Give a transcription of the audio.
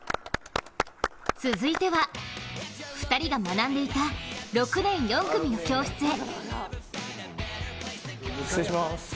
続いては、２人が学んでいた６年４組の教室へ。